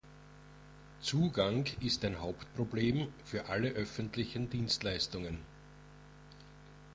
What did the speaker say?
Zugang ist ein Hauptproblem für alle öffentlichen Dienstleistungen.